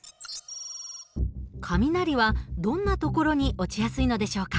雷はどんな所に落ちやすいのでしょうか？